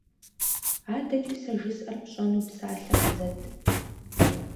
АдэкӀи сэ жысӀэр пщӀэну псалъэ къызэт.